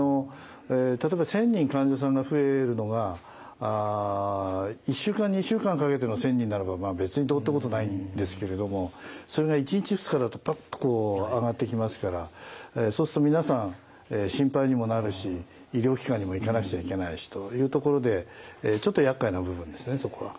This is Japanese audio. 例えば１，０００人患者さんが増えるのが１週間２週間かけての１，０００人ならば別にどうってことないんですけれどもそれが１日２日だとパッとこう上がってきますからそうすると皆さん心配にもなるし医療機関にも行かなくちゃいけないしというところでちょっとやっかいな部分ですねそこは。